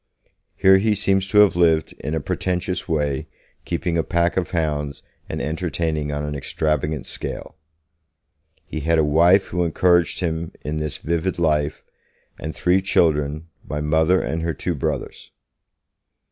Here he seems to have lived in a pretentious way, keeping a pack of hounds and entertaining on an extravagant scale. He had a wife who encouraged him in this vivid life, and three children, my Mother and her two brothers.